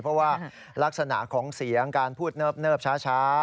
เพราะว่าลักษณะของเสียงการพูดเนิบช้า